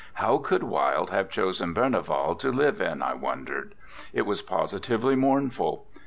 How could Wilde have chosen Berneval to live in, I wondered. It was positively mournful.